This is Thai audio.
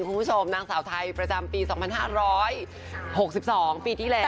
คุณผู้ชมนางสาวไทยประจำปี๒๕๖๒ปีที่แล้ว